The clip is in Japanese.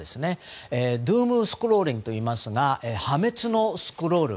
ドゥーム・スクローリングといいますが破滅のスクロール。